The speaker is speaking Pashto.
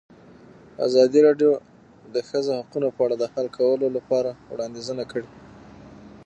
ازادي راډیو د د ښځو حقونه په اړه د حل کولو لپاره وړاندیزونه کړي.